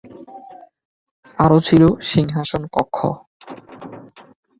আরো ছিলো সিংহাসন কক্ষ।